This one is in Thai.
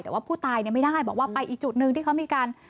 แต่ว่าผู้ตายไม่ได้บอกว่าไปอีกจุดหนึ่งที่เขามีการ